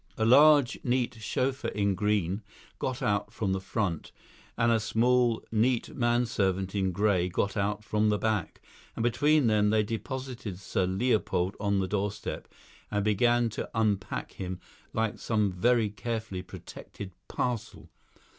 A large, neat chauffeur in green got out from the front, and a small, neat manservant in grey got out from the back, and between them they deposited Sir Leopold on the doorstep and began to unpack him, like some very carefully protected parcel.